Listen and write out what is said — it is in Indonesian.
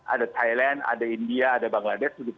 ada thailand ada india ada bangladesh